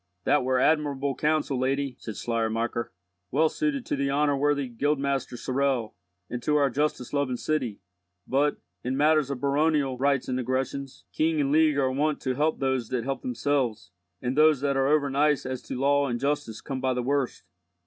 "That were admirable counsel, lady," said Schleiermacher, "well suited to the honour worthy guildmaster Sorel, and to our justice loving city; but, in matters of baronial rights and aggressions, king and League are wont to help those that help themselves, and those that are over nice as to law and justice come by the worst."